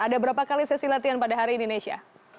ada berapa kali sesi latihan pada hari ini nesya